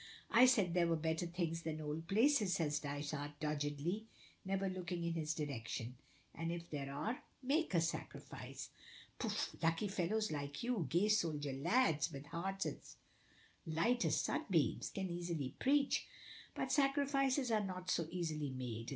"I said there were better things than old places," says Dysart doggedly, never looking in his direction. "And if there are, make a sacrifice." "Pouf! Lucky fellows like you gay soldier lads with hearts as light as sunbeams, can easily preach; but sacrifices are not so easily made.